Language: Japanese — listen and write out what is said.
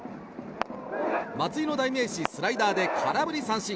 松井の代名詞、スライダーで空振り三振。